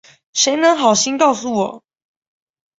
谁能好心告诉我